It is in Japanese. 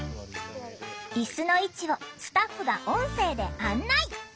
椅子の位置をスタッフが音声で案内！